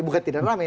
bukan tidak rame